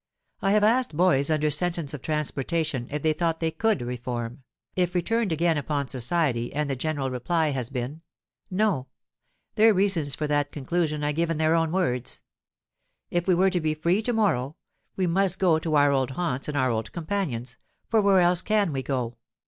I have asked boys under sentence of transportation if they thought they could reform, if returned again upon society, and the general reply has been, 'No.' Their reasons for that conclusion I give in their own words:—'If we were to be free to morrow, we must go to our old haunts and our old companions, for where else can we go?